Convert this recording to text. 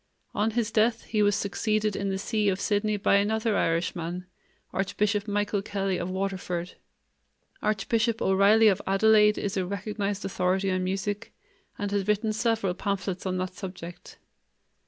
On his death he was succeeded in the see of Sydney by another Irishman, Archbishop Michael Kelly of Waterford. Archbishop O'Reily of Adelaide is a recognized authority on music, and has written several pamphlets on that subject.